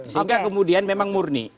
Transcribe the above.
sehingga kemudian memang murni